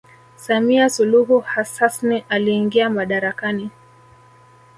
Samia suluhu Hasasn aliingia madarakani